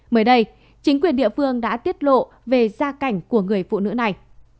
mới đây chính quyền địa phương đã tiết lộ về gia cảnh của người phụ nữ này